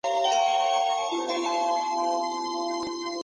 Apodado "El Fantasma".